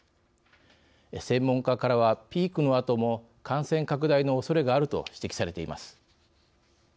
専門家からは、ピークのあとも感染拡大のおそれがあると指摘されています。